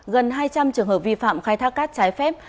gần hai trăm linh trường hợp vi phạm khai thác cát trái phép